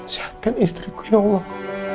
jahatkan istriku ya allah